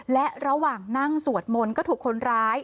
และระหว่างนั่งสวดมนต์ก็ถูกคนร้าย